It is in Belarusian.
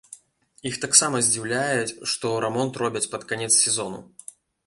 Іх таксама здзіўляе, што рамонт робяць пад канец сезону.